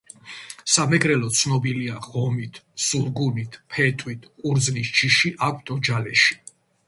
სამეგრელო ცნობილია ღომით, სულგუნით, ფეტვით, ყურძნის ჯიში აქვთ ოჯალეში